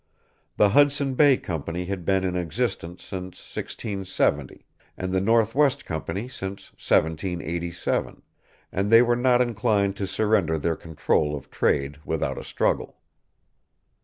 The Hudson Bay Company had been in existence since 1670, and the Northwest Company since 1787; and they were not inclined to surrender their control of trade without a struggle.